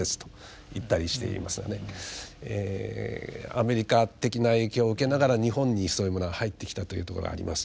アメリカ的な影響を受けながら日本にそういうものが入ってきたというところがあります。